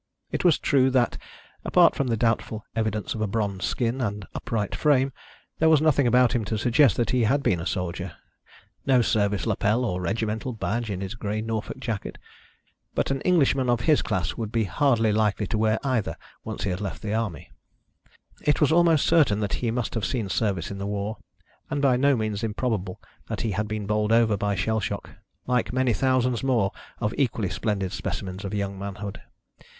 It was true that, apart from the doubtful evidence of a bronzed skin and upright frame, there was nothing about him to suggest that he had been a soldier: no service lapel or regimental badge in his grey Norfolk jacket. But an Englishman of his class would be hardly likely to wear either once he had left the Army. It was almost certain that he must have seen service in the war, and by no means improbable that he had been bowled over by shell shock, like many thousands more of equally splendid specimens of young manhood.